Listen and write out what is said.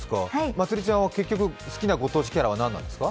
まつりちゃんは結局、好きなご当地キャラは何なんですか？